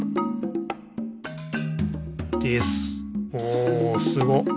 おおすご。